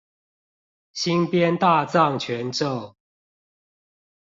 新編大藏全咒